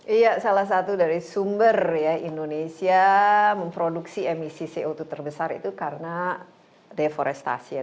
iya salah satu dari sumber ya indonesia memproduksi emisi co dua terbesar itu karena deforestasi ya